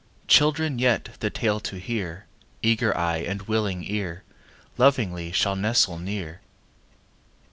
Children yet, the tale to hear, Eager eye and willing ear, Lovingly shall nestle near.